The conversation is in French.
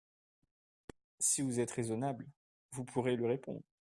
Si vous êtes raisonnable, vous pourrez lui répondre.